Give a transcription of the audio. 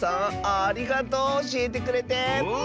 ありがとうおしえてくれて！